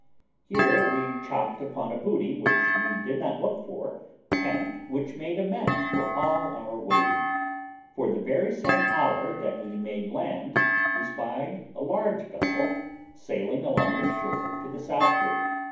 Here we chopped upon a booty which we did not look for, and which made amends for all our waiting; for the very same hour that we made land we spied a large vessel sailing along the shore to the southward.